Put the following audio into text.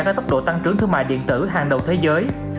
với tốc độ tăng trưởng thương mại điện tử hàng đầu thế giới